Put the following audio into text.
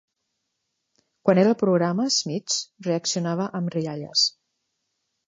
Quan era al programa, Schmitz reaccionava amb rialles.